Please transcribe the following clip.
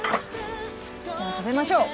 じゃあ食べましょう。